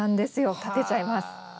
建てちゃいます。